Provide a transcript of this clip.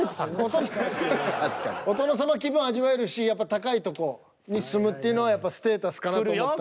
お殿様気分味わえるしやっぱ高いとこに住むっていうのはやっぱステータスかなと思ったんで。